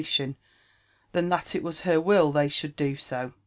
265 lion than that it was her will they should do so.